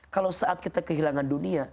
kalau saat kita kehilangan dunia